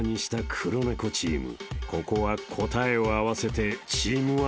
黒猫チーム。